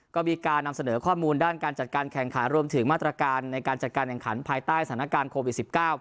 ก็มีการนำเสนอข้อมูลด้านการจัดการแข่งขันรวมถึงมาตรการในการจัดการแข่งขันภายใต้สถานการณ์โควิด๑๙